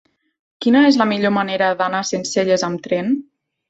Quina és la millor manera d'anar a Sencelles amb tren?